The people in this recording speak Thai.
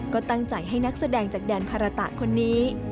ก็ตั้งใจให้นักแสดงจากแดนภาระตะคนนี้